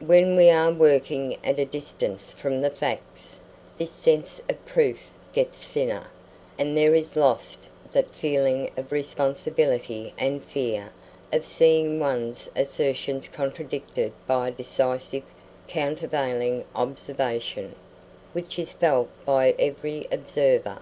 When we are working at a distance from the facts, this sense of proof gets thinner, and there is lost that feeling of responsibility and fear of seeing one's assertions contradicted by a decisive countervailing observation, which is felt by every observer.